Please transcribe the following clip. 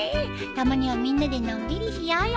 たまにはみんなでのんびりしようよ。